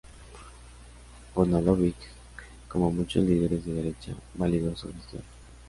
Vodanovic, como muchos líderes de derecha, validó su gestión.